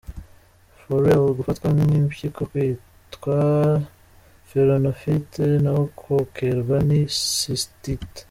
fr, gufatwa kw’impyiko kwitwa “pyélonéphrite” naho kokerwa ni “Cystite”.